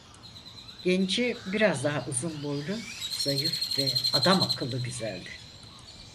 Genci biraz daha uzun boylu, zayıf ve adamakıllı güzeldi.